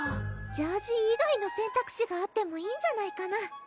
ジャージー以外の選択肢があってもいいんじゃないかな？